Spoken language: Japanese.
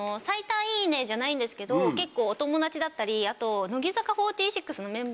最多「いいね」じゃないんですけど結構お友達だったりあと。